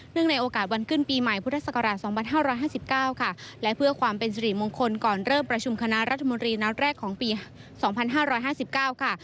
เนื่องในโอกาสวันขึ้นปีใหม่พุทธศักราชสองพันห้าร้อยห้าสิบเก้าค่ะและเพื่อความเป็นสริมงคลก่อนเริ่มประชุมคณะรัฐมนตรีนัดแรกของปีสองพันห้าร้อยห้าสิบเก้าค่ะ